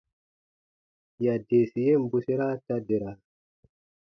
Yadeesi yen bwesera ta dera.